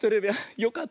よかった。